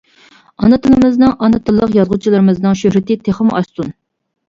ئانا تىلىمىزنىڭ، ئانا تىللىق يازغۇچىلىرىمىزنىڭ شۆھرىتى تېخىمۇ ئاشسۇن.